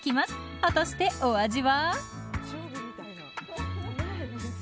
果たしてお味は。